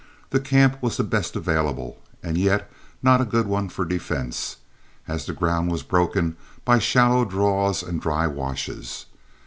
The camp was the best available, and yet not a good one for defense, as the ground was broken by shallow draws and dry washes.